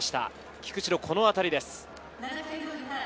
菊池のこの当たりです。